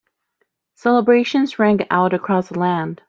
Celebrations rang out across the land.